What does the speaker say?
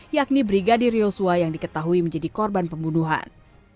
yakni brigadir yosua yang diketahui menjadi korban pembunuhan